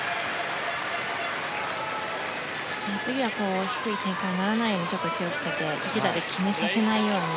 次は低い展開にならないように気を付けて１打で決めさせないように。